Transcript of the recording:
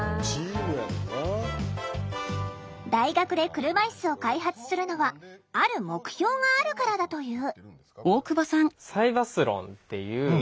大学で車いすを開発するのはある目標があるからだという。